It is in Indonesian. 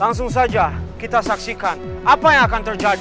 langsung saja kita saksikan apa yang akan terjadi